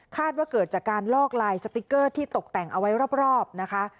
ว่าเกิดจากการลอกลายสติ๊กเกอร์ที่ตกแต่งเอาไว้รอบนะคะ